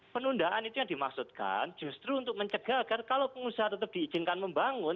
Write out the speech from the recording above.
penundaan itu yang dimaksudkan justru untuk mencegah agar kalau pengusaha tetap diizinkan membangun